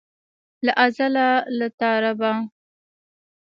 له ازله له تا ربه.